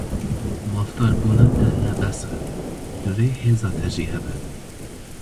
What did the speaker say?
Mafdarbûna te ne bes e, divê hêza te jî hebe.